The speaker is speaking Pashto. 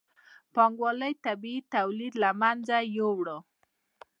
پانګوالۍ طبیعي تولید له منځه یووړ.